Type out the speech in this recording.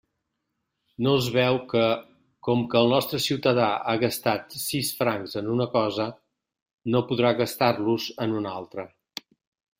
No es veu que, com que el nostre ciutadà ha gastat sis francs en una cosa, no podrà gastar-los en una altra.